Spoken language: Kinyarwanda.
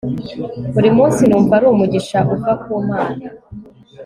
buri munsi numva ari umugisha uva ku mana